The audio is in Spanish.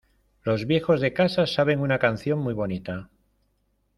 Los viejos de casa saben una canción muy bonita.